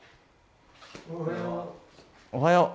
おはよう。